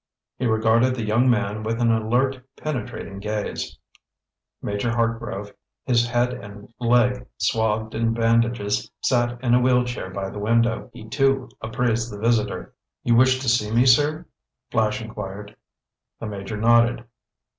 He regarded the young man with an alert, penetrating gaze. Major Hartgrove, his head and leg swathed in bandages, sat in a wheel chair by the window. He too appraised the visitor. "You wished to see me, sir?" Flash inquired. The Major nodded.